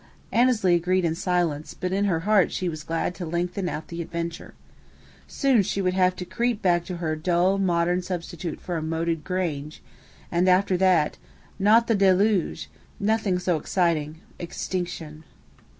Annesley agreed in silence; but in her heart she was glad to lengthen out the adventure. Soon she would have to creep back to her dull modern substitute for a moated grange, and after that not "the deluge"; nothing so exciting: extinction.